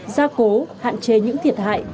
gia cố hạn chế những thiệt hại